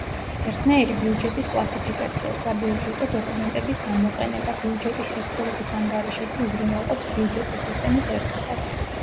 ერთნაირი ბიუჯეტის კლასიფიკაცია, საბიუჯეტო დოკუმენტების გამოყენება, ბიუჯეტის შესრულების ანგარიშები უზრუნველყოფს ბიუჯეტის სისტემის ერთობას.